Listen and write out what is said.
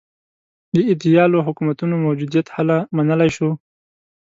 د ایدیالو حکومتونو موجودیت هله منلای شو.